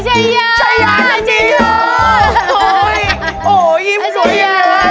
ชายยาสวยนะ